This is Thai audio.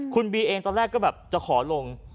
คุณบีเองตอนแรกก็แบบจะขอลง